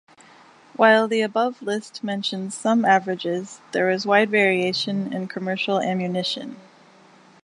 While the above list mentions some averages, there is wide variation in commercial ammunition.